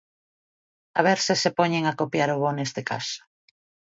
A ver se se poñen a copiar o bo neste caso.